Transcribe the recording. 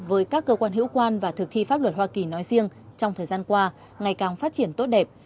với các cơ quan hữu quan và thực thi pháp luật hoa kỳ nói riêng trong thời gian qua ngày càng phát triển tốt đẹp